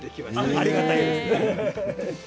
ありがたいですね。